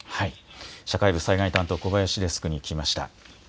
社会部災害担当の小林デスクに聞きました。